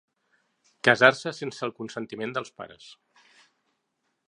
Casar-se sense el consentiment dels pares.